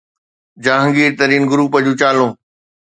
Jahangir Tareen group جون چالون